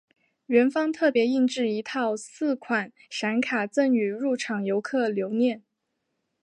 园方特别印制一套四款闪卡赠予入场游客留念。